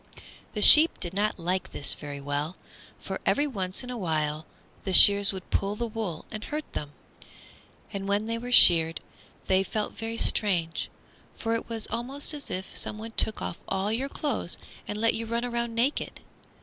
The sheep did not like this very well, for every once in a while the shears would pull the wool and hurt them; and when they were sheared they felt very strange, for it was almost as if someone took off all your clothes and let you run around naked.